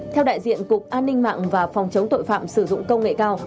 theo đại diện cục an ninh mạng và phòng chống tội phạm sử dụng công nghệ cao